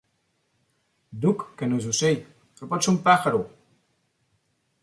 Duc que no és ocell, però pot ser un “pàjaro”.